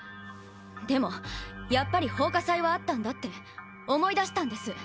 でもやっぱり奉火祭はあったんだって思い出したんです。